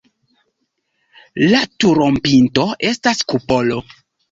La turopinto estas kupolo.